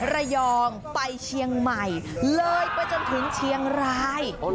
ระยองไปเชียงใหม่เลยไปจนถึงเชียงราย